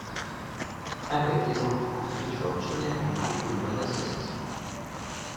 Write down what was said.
Avec les enfants, il forme généralement une bonne association.